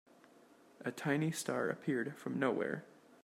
A tiny star appeared from nowhere.